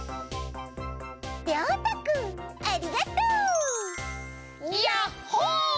りょうたくんありがとう！ヤッホー！